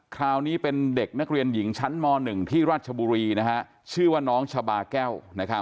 คราวนี้เป็นเด็กนักเรียนหญิงชั้นม๑ที่ราชบุรีชื่อว่าน้องชาบาแก้ว